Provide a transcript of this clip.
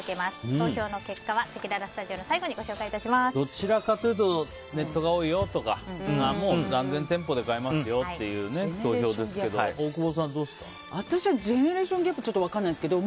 投票の結果はせきららスタジオの最後にどちらかというとネットが多いよとかもう断然店舗で買いますよっていう投票ですけど私はジェネレーションギャップか分からないんですけど